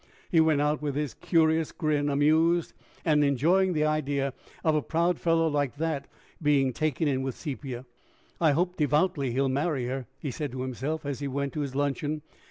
He went out, with his curious grin, amused, and enjoying the idea of a proud fellow like that being taken in with Sepia. "I hope devoutly he'll marry her!" he said to himself as he went to his luncheon.